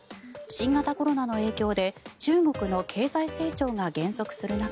新型コロナの影響で中国の経済成長が減速する中